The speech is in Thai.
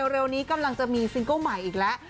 เร็วนี้กำลังจะมีซิงเกิ้ลใหม่อีกแล้ว